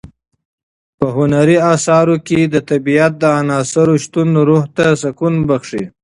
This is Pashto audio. په هنري اثارو کې د طبیعت د عناصرو شتون روح ته سکون بښي.